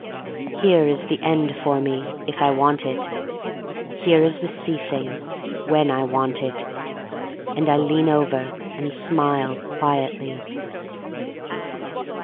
Here is the End for me, if I want it — here is the Ceasing, when I want it. And I lean over and smile quietly.